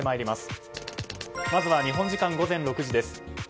まずは日本時間午前６時です。